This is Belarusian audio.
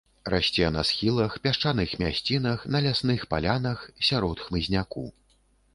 Расце на схілах, пясчаных мясцінах, на лясных палянах, сярод хмызняку.